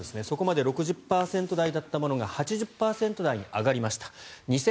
そこまで６０％台だったものが８０％台に上がりました。